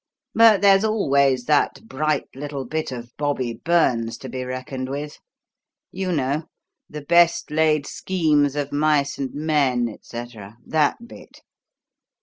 But there's always that bright little bit of Bobby Burns to be reckoned with. You know: 'The best laid schemes of mice and men,' et cetera that bit.